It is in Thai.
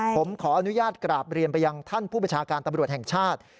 ผมขออนุญาตกราบเรียนไปยังท่านผู้ประชาการตำรวจแห่งชาติ